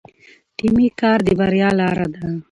ټیمي کار د بریا لاره ده.